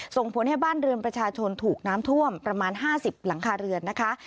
ส่งผลให้บ้านเรือนประชาชนถูกน้ำท่วมประมาณ๕๐หลังคาเรือนนะคะ